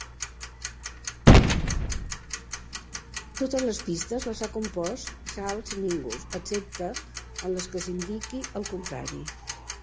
Totes les pistes les ha compost Charles Mingus, excepte en les que s'indiqui el contrari.